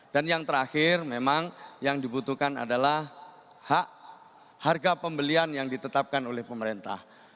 dan yang terakhir memang yang dibutuhkan adalah hak harga pembelian yang ditetapkan oleh pemerintah